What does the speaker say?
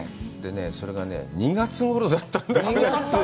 それがね、２月ごろだったんだよ。